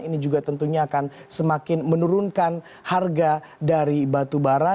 ini juga tentunya akan semakin menurunkan harga dari batu bara